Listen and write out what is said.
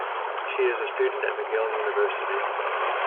She is a student at McGill University.